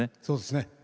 そうですね。